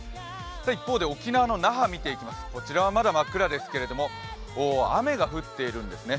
一方で沖縄の那覇見ていきます、こちらはまだ真っ暗ですけれども、雨が降っているんですね。